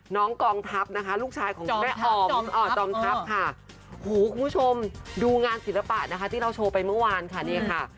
น้องกองทัพนะคะลูกชายของแม่ออมคูณผู้ชมดูงานศรีละปะนะคะที่เราช่วยไปเมื่อวานพันอย่างครับ